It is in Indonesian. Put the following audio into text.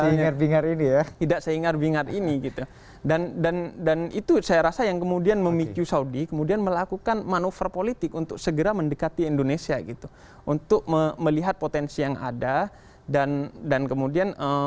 tidak sehingar bingar ini ya tidak sehingar bingar ini gitu dan dan dan itu saya rasa yang kemudian memikir saudi kemudian melakukan manuver politik untuk segera mendekati indonesia gitu untuk melihat potensi yang ada dan dan kemudian